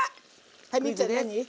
はいミッちゃん何？